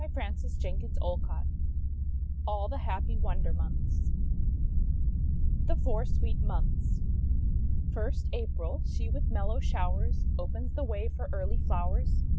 HANS CHRISTIAN ANDERSEN (adapted) ALL THE HAPPY WONDER MONTHS THE FOUR SWEET MONTHS First, April., she with mellow showers Opens the way for early flowers.